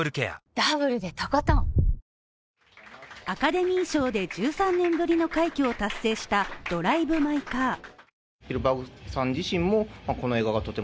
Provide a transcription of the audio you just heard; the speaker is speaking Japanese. アカデミー賞で１３年ぶりの快挙を達成した「ドライブ・マイ・カー」。